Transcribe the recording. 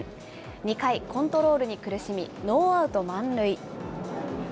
２回、コントロールに苦しみ、ノーアウト満塁。